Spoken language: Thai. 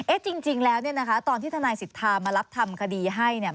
จริงแล้วเนี่ยนะคะตอนที่ทนายสิทธามารับทำคดีให้เนี่ย